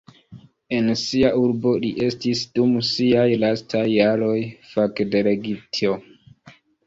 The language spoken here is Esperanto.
En sia urbo li estis dum siaj lastaj jaroj fakdelegito.